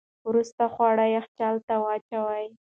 وروسته خواړه یخچال ته واچوئ.